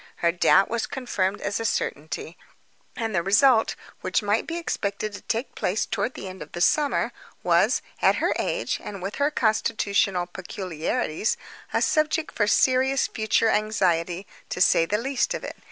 Her doubt was confirmed as a certainty; and the result, which might be expected to take place toward the end of the summer, was, at her age and with her constitutional peculiarities, a subject for serious future anxiety, to say the least of it.